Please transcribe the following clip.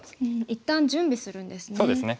一旦準備するんですね。